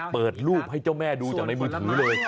เปิดรูปให้เจ้าแม่ดูจากในมือถือเลย